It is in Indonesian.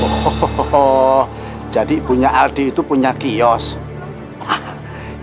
ohohoho jadi ibunya aldi itu punya kiosk